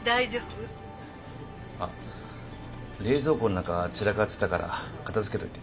あっ冷蔵庫の中散らかってたから片付けといて